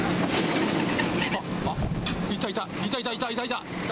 いたいた、いたいたいた。